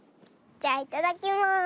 じゃいただきます。